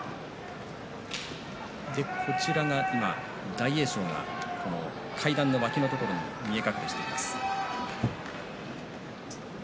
大栄翔が階段の脇のところに見え隠れしています。